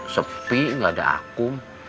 sepi gaada aku